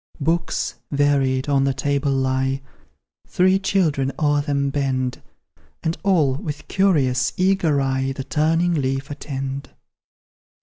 Books, varied, on the table lie, Three children o'er them bend, And all, with curious, eager eye, The turning leaf attend.